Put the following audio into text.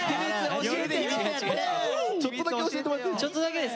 ちょっとだけ教えてもらっていい？